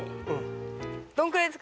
どんくらいですか？